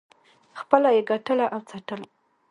خپله یې ګټله او څټله.